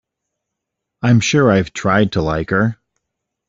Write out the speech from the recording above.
I’m sure I’ve tried to like her.